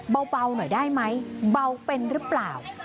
เบาหน่อยได้ไหมเบาเป็นหรือเปล่า